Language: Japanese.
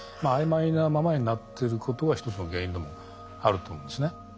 曖昧なままになってることが一つの原因でもあると思うんですね。